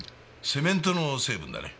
セメントの成分だね。